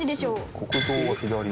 国道は左。